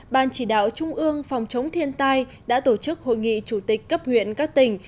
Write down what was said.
ban chỉ đạo trung ương phòng chống thiên tai đã tổ chức hội nghị chủ tịch cấp huyện các tỉnh